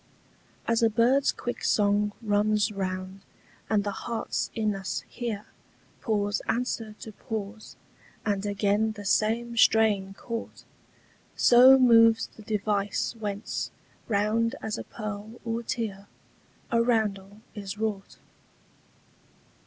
As a bird's quick song runs round, and the hearts in us hear Pause answer to pause, and again the same strain caught, So moves the device whence, round as a pearl or tear, A roundel is wrought.